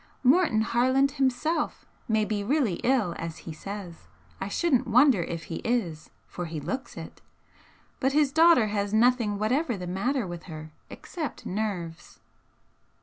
Morton Harland himself may be really ill, as he says I shouldn't wonder if he is, for he looks it! but his daughter has nothing whatever the matter with her, except nerves."